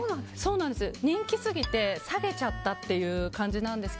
人気すぎて下げちゃったという感じなんです。